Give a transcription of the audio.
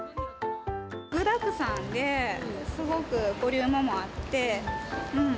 具だくさんで、すごくボリュームもあって、うん。